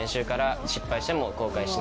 失敗しても。